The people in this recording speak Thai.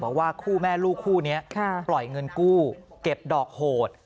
บอกว่าคู่แม่ลูกคู่นี้ปล่อยเงินกู้เก็บดอกโหด